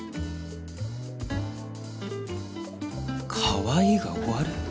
かわいいが終わる？